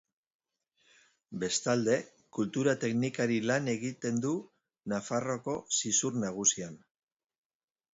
Bestalde, kultura teknikari lan egiten du Nafarroako Zizur Nagusian.